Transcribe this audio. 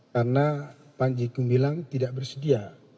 karena manjigo ngilang tidak bersedia